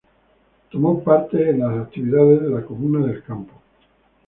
Tomó parte en las actividades de la Comuna del Campo.